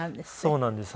そうなんです。